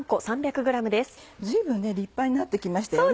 随分立派になって来ましたよね。